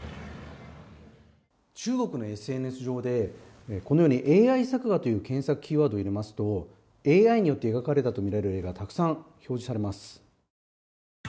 一方、中国では中国のＳＮＳ上で、このようにＡＩ作画という検索キーワードを入れますとＡＩによって描かれたとみられる映像がたくさん表示されます。